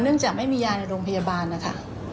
จากไม่มียาในโรงพยาบาลนะคะ